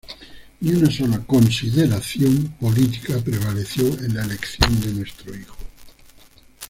Ni una sola consideración política prevaleció en la elección de nuestro hijo".